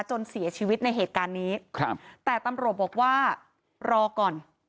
จนเสียชีวิตในเหตุการณ์นี้ครับแต่ตำรวจบอกว่ารอก่อน